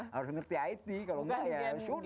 harus ngerti it kalau enggak ya sudah